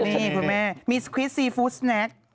นี่คุณแม่มีสคริสซีฟู้สแน็ก